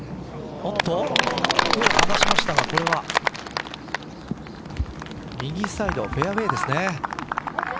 手を離しましたが、これは右サイドフェアウエーですね。